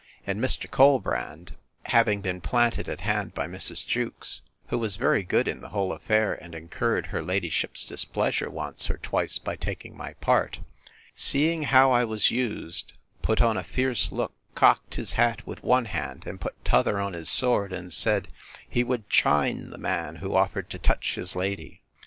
And Mr. Colbrand, having been planted at hand by Mrs. Jewkes, (who was very good in the whole affair, and incurred her ladyship's displeasure, once or twice, by taking my part,) seeing how I was used, put on a fierce look, cocked his hat with one hand, and put t'other on his sword, and said, he would chine the man who offered to touch his lady.